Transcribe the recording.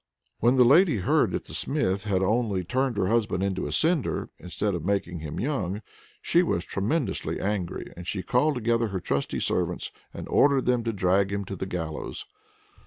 When the lady heard that the Smith had only turned her husband into a cinder, instead of making him young, she was tremendously angry, and she called together her trusty servants, and ordered them to drag him to the gallows.